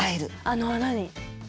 あの穴に。